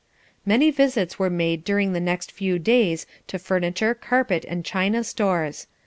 Many visits were made during the next few days to furniture, carpet, and china stores.